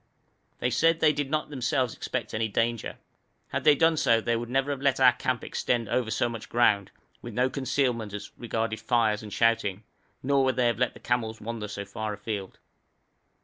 They said they did not themselves expect any danger. Had they done so they would never have let our camp extend over so much ground, with no concealment as regarded fires and shouting, nor would they have let their camels wander so far afield.